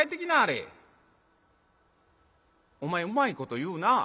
「お前うまいこと言うなぁ。